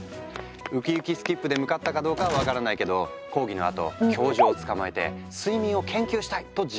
ウキウキスキップで向かったかどうかは分からないけど講義のあと教授をつかまえて「睡眠を研究したい！」とじか談判。